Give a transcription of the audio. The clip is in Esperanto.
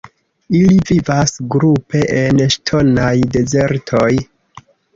Ili vivas grupe en ŝtonaj dezertoj.